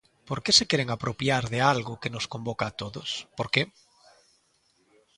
¿Por que se queren apropiar de algo que nos convoca a todos?, ¿por que?